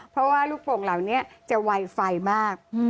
เพราะว่าลูกโป่งเหล่านี้จะไวไฟมาก